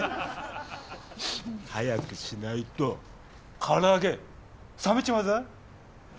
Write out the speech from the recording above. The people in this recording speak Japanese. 早くしないとから揚げ冷めちまうぞ。